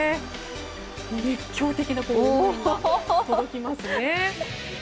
熱狂的な応援が届きますね。